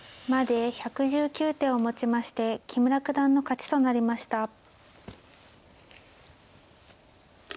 まで１１９手をもちまして木村九段の勝ちとなりました。